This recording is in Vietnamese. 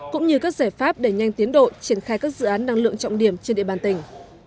cũng như các giải pháp để nhanh tiến độ triển khai các dự án năng lượng trọng điểm trên địa bàn tỉnh